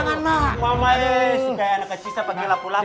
mama ini sebagian anak kecil serpang gila pulang